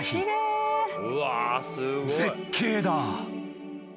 ［絶景だ］